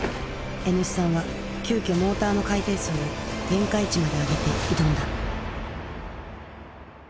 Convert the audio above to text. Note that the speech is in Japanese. Ｎ産は急きょモーターの回転数を限界値まで上げて挑んだ。